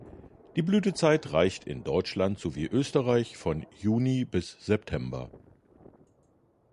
Die Blütezeit reicht in Deutschland sowie Österreich von Juni bis September.